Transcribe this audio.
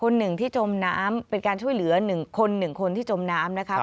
หนึ่งที่จมน้ำเป็นการช่วยเหลือ๑คน๑คนที่จมน้ำนะครับ